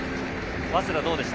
早稲田はどうでした？